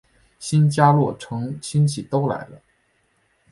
新家落成亲戚都来了